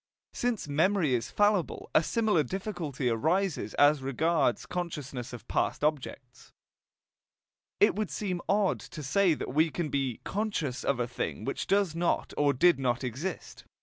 Since memory is fallible, a similar difficulty arises as regards consciousness of past objects. It would seem odd to say that we can be "conscious" of a thing which does not or did not exist.